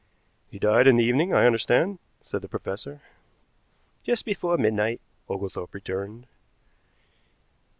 "He died in the evening, I understand," said the professor. "Just before midnight," Oglethorpe returned.